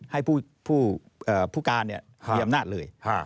ให้ผู้การมีอำนาจเลย